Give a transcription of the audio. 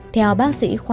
theo bác sĩ khoa